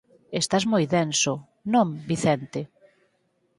Estás moi denso, non, Vicente?